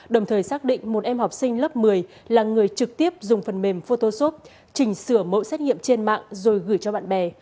đồng thời xác định một em học sinh lớp một mươi là người trực tiếp dùng phần mềm photosoft chỉnh sửa mẫu xét nghiệm trên mạng rồi gửi cho bạn bè